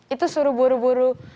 itu suruh buru buru